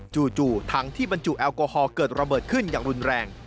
ถังที่บรรจุแอลกอฮอลเกิดระเบิดขึ้นอย่างรุนแรง